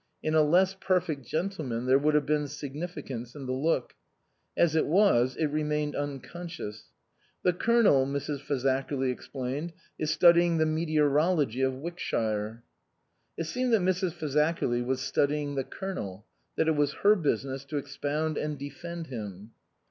In a less perfect gentleman there would have been significance in the look. As it was, it remained uncon scious. " The Colonel," Mrs. Fazakerly explained, " is studying the meteorology of Wickshire." It seemed that Mrs. Fazakerly was studying the Colonel, that it was her business to expound and defend him.